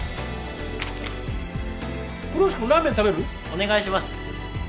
お願いします。